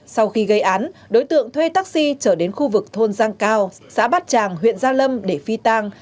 sau khi gây án đối tượng thuê taxi trở đến khu vực thôn giang cao xã bát tràng huyện gia lâm để phi tang